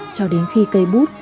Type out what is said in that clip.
cho đến khi cây bút